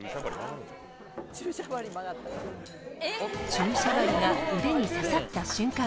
注射針が腕に刺さった瞬間